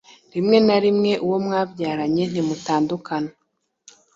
rimwe ma rimwe uwo mwabyaranye ntimutandukana